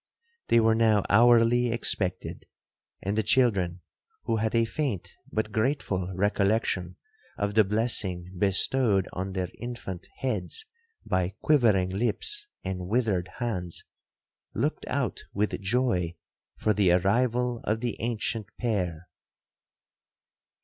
They were now hourly expected, and the children, who had a faint but grateful recollection of the blessing bestowed on their infant heads by quivering lips and withered hands, looked out with joy for the arrival of the ancient pair.